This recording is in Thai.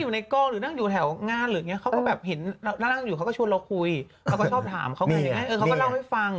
บางทีเขาไหม้มีเพื่อนเคราะห์คุยมั้ง